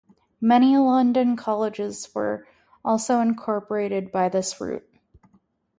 Many London colleges were also incorporated by this route.